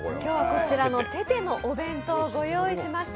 こちらのててのお弁当をご用意しました。